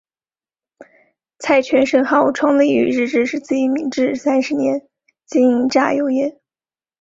蔡泉盛号创立于日治时期明治三十年经营榨油业。